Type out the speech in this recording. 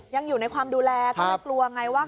ยังอยู่ในความดูแลก็เลยกลัวไงว่า